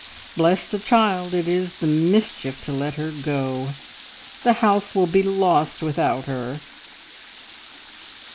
Bless the child, it is the mischief to let her go! The house will be lost without her!"